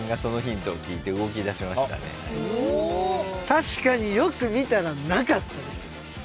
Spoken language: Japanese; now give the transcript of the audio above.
確かによく見たらなかったです。